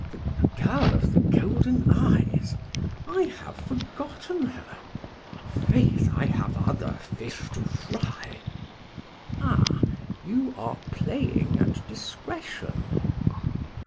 "The girl of the golden eyes! I have forgotten her. Faith! I have other fish to fry!" "Ah! you are playing at discretion."